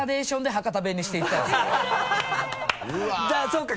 そうか！